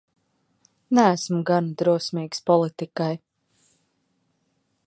Neesmu gana drosmīgs politikai.